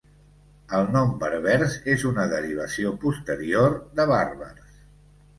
El nom berbers és una derivació posterior de bàrbars.